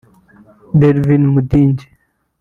Delvin Mudigi